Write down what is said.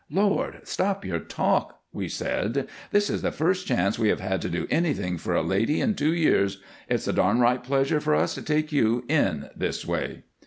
"Lord! stop your talk," we said. "This is the first chance we have had to do anything for a lady in two years. It's a downright pleasure for us to take you in this way."